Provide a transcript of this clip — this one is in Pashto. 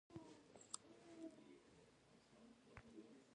دوی د پلاستیکي توکو کارخانې لري.